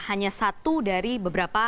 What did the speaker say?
hanya satu dari beberapa